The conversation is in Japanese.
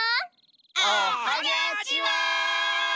おはにゃちは！